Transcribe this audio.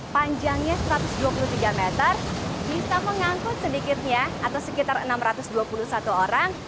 panjangnya satu ratus dua puluh tiga meter bisa mengangkut sedikitnya atau sekitar enam ratus dua puluh satu orang